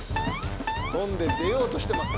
跳んで出ようとしてます。